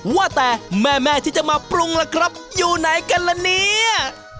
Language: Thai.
ว่าแต่แม่ที่จะมาปรุงล่ะครับอยู่ไหนกันละเนี่ย